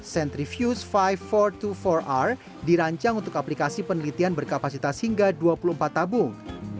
centrifuge lima empat ratus dua puluh empat r dirancang untuk aplikasi penelitian berkapasitas hingga dua puluh empat tabung